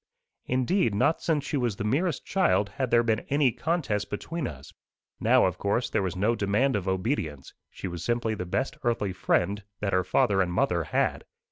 Indeed, not since she was the merest child had there been any contest between us. Now, of course, there was no demand of obedience: she was simply the best earthly friend that her father and mother had.